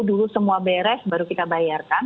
dulu semua beres baru kita bayarkan